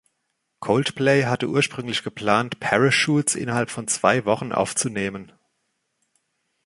Coldplay hatte ursprünglich geplant, "Parachutes" innerhalb von zwei Wochen aufzunehmen.